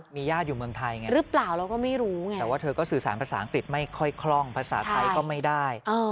มีญาติอยู่เมืองไทยไงหรือเปล่าเราก็ไม่รู้ไงแต่ว่าเธอก็สื่อสารภาษาอังกฤษไม่ค่อยคล่องภาษาไทยก็ไม่ได้